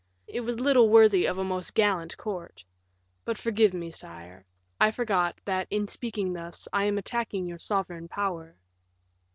It was little worthy of a most gallant court; but forgive me, sire; I forgot, that, in speaking thus, I am attacking your sovereign power."